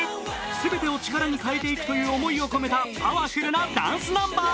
全てを力に変えていくという思いを込めた、パワフルなダンスナンバー。